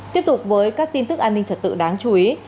tiếp tục với các tin tức an ninh trật tự đáng chú ý